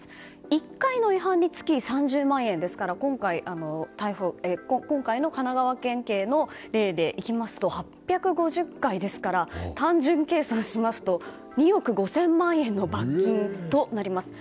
１回の違反につき３０万円ですから今回の神奈川県警の例ですと８５０回ですから単純計算しますと２億５０００万円の罰金となります。